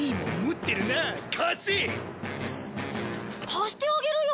貸してあげるよ。